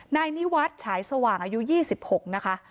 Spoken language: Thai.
นายนิวัฒน์ฉายสว่างอายุ๒๖นะคะ